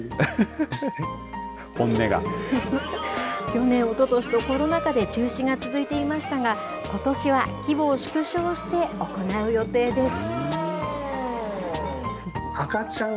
去年、おととしと、コロナ禍で中止が続いていましたが、ことしは規模を縮小して行う予定です。